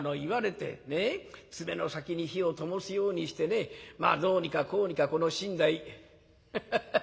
爪の先に火をともすようにしてねまあどうにかこうにかこの身代。ハハハハハ。